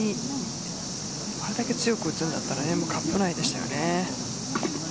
あれだけ強く打つんだったらカップ内ですよね。